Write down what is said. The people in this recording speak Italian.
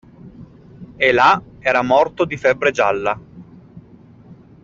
E là era morto di febbre gialla.